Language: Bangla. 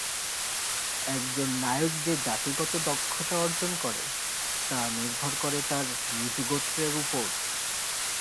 একজন নায়ক যে জাতিগত দক্ষতা অর্জন করে তা নির্ভর করে তার নিজ গোত্রের উপর।